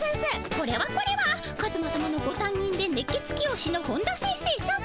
これはこれはカズマさまのごたんにんでねっ血きょうしの本田先生さま。